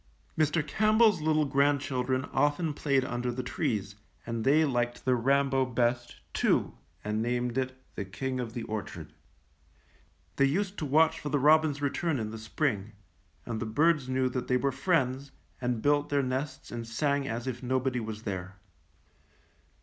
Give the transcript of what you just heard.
Mr. CampbelFs little grandchildren often played under the trees, and they liked the Rambo best, too, and named it ^The King of 102 THE KING OF THE ORCHARD. the Orchard.'^ They used to watch for the robins' return in the spring, and the birds knew that they were friends, and built their nests and sang as if nobody was there.